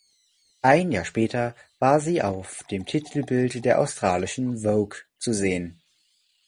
Ein Jahr später war sie auf dem Titelbild der australischen "Vogue" zu sehen.